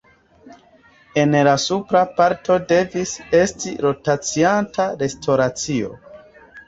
En la supra parto devis esti rotacianta restoracio.